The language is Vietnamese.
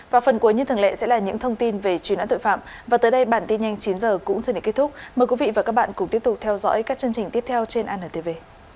và phần cuối như thường lệ sẽ là những thông tin về truy nã tội phạm và tới đây bản tin nhanh chín h cũng xin để kết thúc mời quý vị và các bạn cùng tiếp tục theo dõi các chương trình tiếp theo trên antv